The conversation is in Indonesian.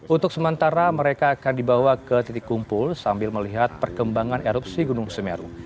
untuk sementara mereka akan dibawa ke titik kumpul sambil melihat perkembangan erupsi gunung semeru